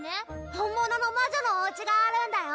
本物の魔女のおうちがあるんだよ！